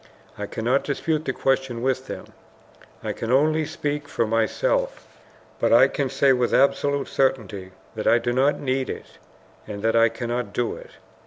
I cannot dispute the question with them, I can only speak for myself; but I can say with absolute certainty that I do not need it, and that I cannot do it.